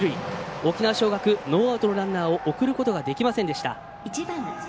沖縄尚学ノーアウトのランナーを送ることができませんでした。